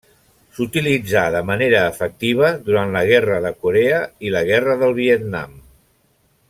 S'utilitzà de manera efectiva durant la Guerra de Corea i la Guerra del Vietnam.